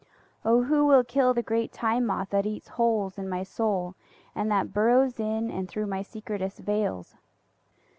(O who will kill the great Time Moth that eats holes in my soul and that burrows in and through my secretest veils!)